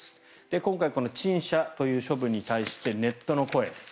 今回この陳謝という処分に対してネットの声。